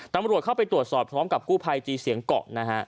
ตำรวจเข้าไปตรวจสอบพร้อมกับกู้ภัยจีเสียงเกาะนะฮะ